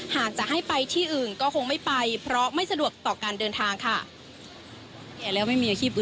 หากจะให้ไปที่อื่นก็คงไม่ไปเพราะไม่สะดวกต่อการเดินทางค่ะ